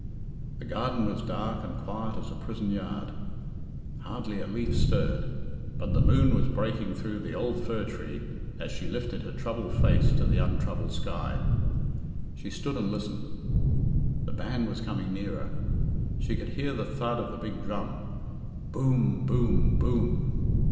The garden was dark and quiet as a prison yard; Hardly a leaf stirred, but the moon was breaking through the old fir tree as she lifted her troubled face to the untroubled sky. She stood and listened. The band was coming nearer. She could hear the thud of the big drum. Boom! Boom! Boom!